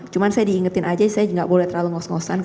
cuma saya diingetin aja saya nggak boleh terlalu ngos ngosan